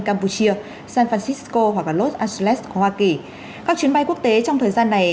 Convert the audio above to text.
campuchia san francisco hoặc los angeles của hoa kỳ các chuyến bay quốc tế trong thời gian này